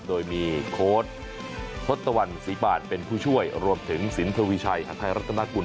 โดยมีโค้ดทศตวรรณศรีปานเป็นผู้ช่วยรวมถึงสินทวีชัยฮัทไทยรัฐนากุล